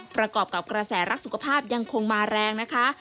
ประกอบกับกระแสรักสุขภาพยังคงมาแรงนะคะ